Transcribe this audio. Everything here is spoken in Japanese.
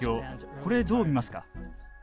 これ、どう見ますか。